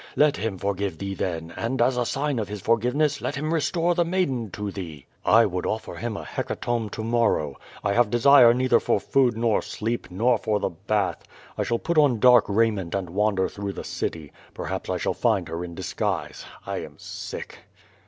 Let Him for give thee, then, and as a sign of His forgiveness let Him restore the maiden to thee." "I would offer him a hecatomb to morrow! I have desire neither for food nor sleep nor for the bath. I shall put on dark raiment and wander through the city. Perhaps I shall find her in disguise. I am sick."